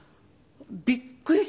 びっくりしました。